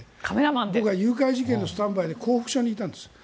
僕は誘拐事件のスタンバイで甲府署にいたんです。